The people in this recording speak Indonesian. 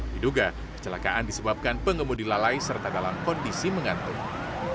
diduga kecelakaan disebabkan pengemudi lalai serta dalam kondisi mengantuk